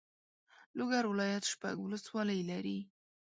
لوګر ولایت شپږ والسوالۍ لري.